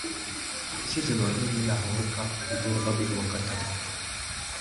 کسی زمانے میں لاہور کا حدوداربعہ بھی ہوا کرتا تھا